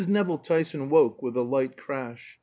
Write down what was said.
Nevill Tyson woke with the light crash.